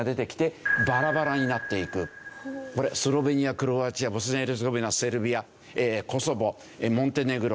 これスロベニアクロアチアボスニア・ヘルツェゴビナセルビアコソボモンテネグロ